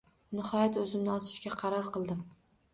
Nihoyat o`zimni osishga qaror qildim